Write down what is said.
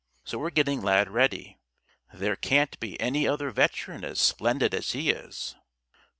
So we're getting Lad ready. There can't be any other veteran as splendid as he is."